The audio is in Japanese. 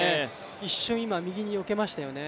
一瞬、今、右によけましたよね。